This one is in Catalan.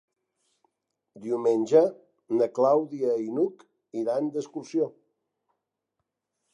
Diumenge na Clàudia i n'Hug iran d'excursió.